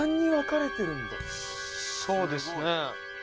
「そうですね」